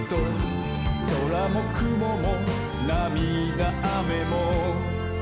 「そらもくももなみだあめも」